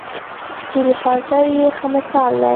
هرې پاټر یې ښه مثال دی.